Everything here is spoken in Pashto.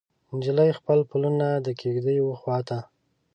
نجلۍ خپل پلونه د کیږدۍ وخواته